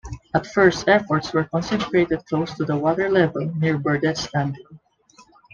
At first efforts were concentrated close to the water level near Burdett's Landing.